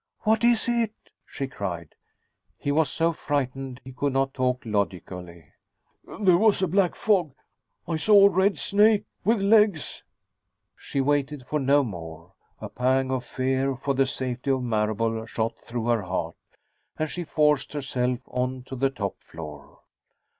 "What is it?" she cried. He was so frightened he could not talk logically. "There was a black fog I saw a red snake with legs " She waited for no more. A pang of fear for the safety of Marable shot through her heart, and she forced herself on to the top floor.